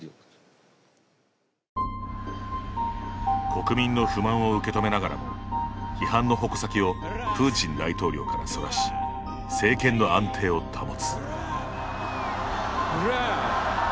国民の不満を受け止めながらも批判の矛先をプーチン大統領からそらし政権の安定を保つ。